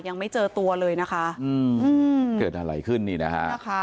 ยังไม่เจอตัวเลยนะคะอืมเกิดอะไรขึ้นนี่นะฮะ